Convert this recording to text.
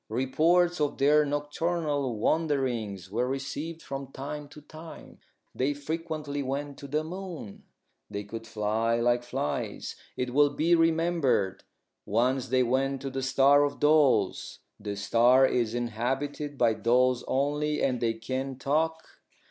Reports of their nocturnal wanderings were received from time to time. They frequently went to the moon. They could fly like flies, it will be remembered. Once they went to the Star of Dolls. This star is inhabited by dolls only, and they can talk.